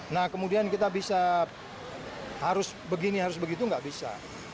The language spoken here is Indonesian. nah kemudian kita bisa harus begini harus begitu nggak bisa